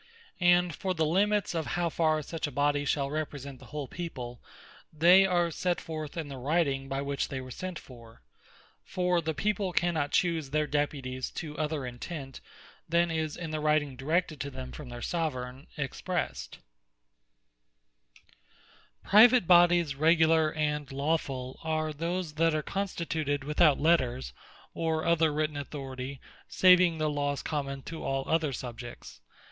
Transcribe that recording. And for the limits of how farre such a Body shall represent the whole People, they are set forth in the Writing by which they were sent for. For the People cannot choose their Deputies to other intent, than is in the Writing directed to them from their Soveraign expressed. A Regular Private Body, Lawfull, As A Family Private Bodies Regular, and Lawfull, are those that are constituted without Letters, or other written Authority, saving the Lawes common to all other Subjects.